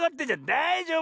だいじょうぶよ。